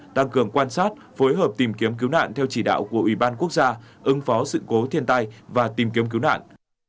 tăng cường quan sát phối hợp tìm kiếm cứu nạn theo chỉ đạo của ủy ban quốc gia ứng phó sự cố thiên tai và tìm kiếm cứu nạn